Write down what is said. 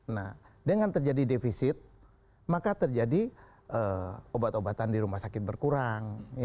nah dengan terjadi defisit maka terjadi obat obatan di rumah sakit berkurang